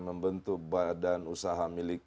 membentuk badan usaha miliknya